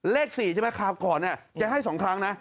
เลข๔ใช่ไหมคราวก่อนจะให้๒ครั้งนะ